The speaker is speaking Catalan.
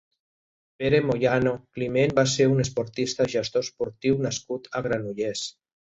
Pere Moyano Climent va ser un esportista i gestor esportiu nascut a Granollers.